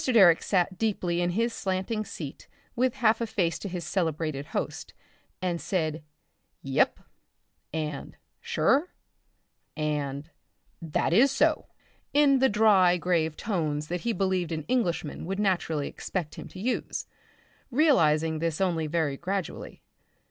Direck sat deeply in his slanting seat with a half face to his celebrated host and said "Yep" and "Sure" and "That is so," in the dry grave tones that he believed an Englishman would naturally expect him to use, realising this only very gradually.